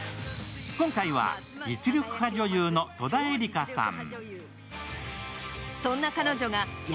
今回は実力派女優の戸田恵梨香さん。